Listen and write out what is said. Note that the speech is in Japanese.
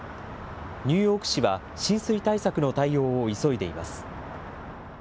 ニューヨーク市は、浸水対策の対応を急いでいます。